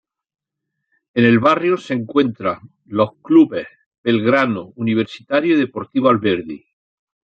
En el barrio se encuentran los clubes Belgrano, Universitario y Deportivo Alberdi.